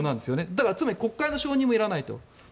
だから国会の承認もいらないと。